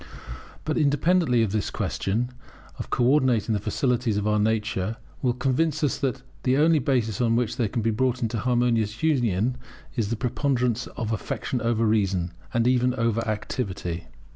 But, independently of this, the question of co ordinating the faculties of our nature will convince us that the only basis on which they can be brought into harmonious union, is the preponderance of Affection over Reason, and even over Activity.